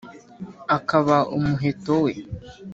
abaka umuheto we,